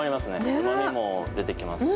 うまみも出てきますし。